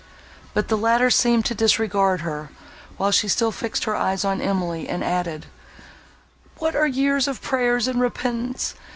But the latter seemed to disregard her, while she still fixed her eyes on Emily, and added, "What are years of prayers and repentance?